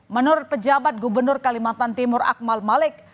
menurut pejabat gubernur kalimantan timur akmal malik